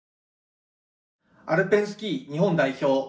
アルペンスキー日本代表